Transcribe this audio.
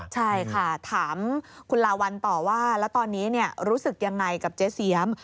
ใช่ค่ะถามคุณลาวัลต่อว่าแล้วตอนนี้รู้สึกยังไงกับเจ๊เสียม